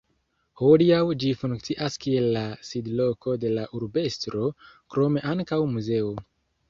Hodiaŭ, ĝi funkcias kiel la sidloko de la urbestro, krome ankaŭ muzeo.